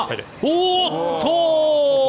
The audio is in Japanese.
おっと。